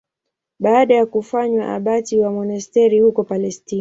Baada ya kufanywa abati wa monasteri huko Palestina.